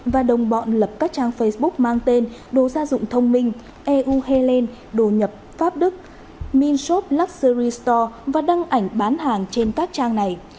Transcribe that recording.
và đồng bọn lập các trang facebook mang tên đồ gia dụng thông minh eu healand đồ nhập pháp đức minshop luxury store và đăng ảnh bán hàng trên các trang này